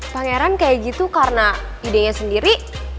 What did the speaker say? pangeran kayak gitu karena idenya sendiri